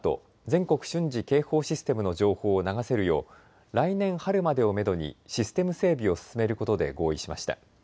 ・全国瞬時警報システムの情報を流せるよう来年春までをめどにシステム整備を進めることで合意しました。